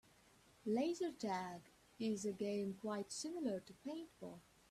Laser tag is a game quite similar to paintball.